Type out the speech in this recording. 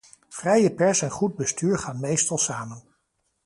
Vrije pers en goed bestuur gaan meestal samen.